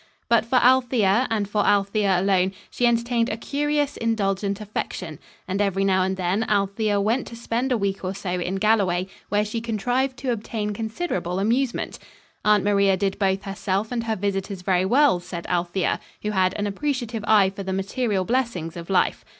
But for Althea, and for Althea alone, she entertained a curious, indulgent affection, and every now and then Althea went to spend a week or so in Galloway, where she contrived to obtain considerable amusement. Aunt Maria did both herself and her visitors very well, said Althea, who had an appreciative eye for the material blessings of life.